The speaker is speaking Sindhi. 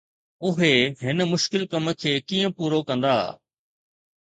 اهي هن مشڪل ڪم کي ڪيئن پورو ڪندا؟